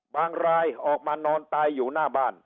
รายออกมานอนตายอยู่หน้าบ้าน